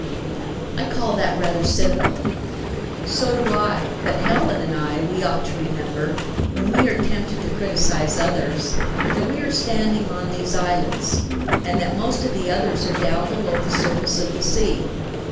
"I call that rather cynical." "So do I. But Helen and I, we ought to remember, when we are tempted to criticize others, that we are standing on these islands, and that most of the others, are down below the surface of the sea.